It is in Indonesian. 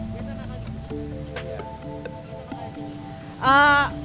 biasa manggal di sini